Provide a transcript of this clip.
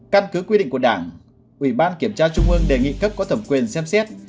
căn cứ quy định của đảng ủy ban kiểm tra trung ương đề nghị cấp có thẩm quyền xem xét